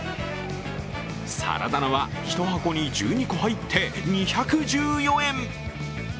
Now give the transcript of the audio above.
サラダ菜は１箱に１２個入って２１４円。